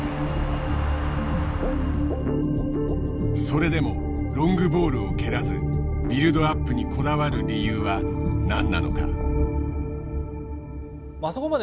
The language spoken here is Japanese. それでもロングボールを蹴らずビルドアップにこだわる理由は何なのか。